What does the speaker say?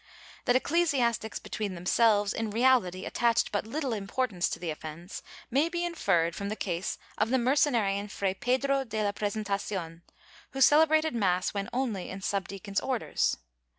^ That ecclesiastics between themselves in reality attached but little importance to the offence may be inferred from the case of the Mercenarian Fray Pedro de la Presentacion, who celebrated mass when only in subdeacon's orders.